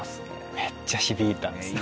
めっちゃ響いたステキ。